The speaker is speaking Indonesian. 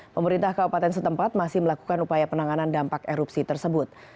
pemerintah kabupaten setempat masih melakukan upaya penanganan dampak erupsi tersebut